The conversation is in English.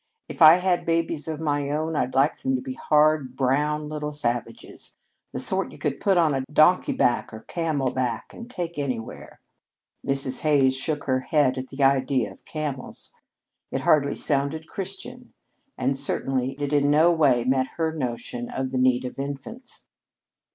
"If I had babies of my own, I'd like them to be hard, brown little savages the sort you could put on donkey back or camel back and take anywhere." Mrs. Hays shook her head at the idea of camels. It hardly sounded Christian, and certainly it in no way met her notion of the need of infants.